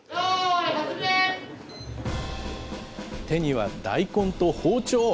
手には大根と包丁。